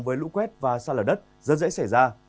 với lũ quét và xa lở đất rất dễ xảy ra